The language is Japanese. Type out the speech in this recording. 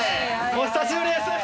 お久しぶりです！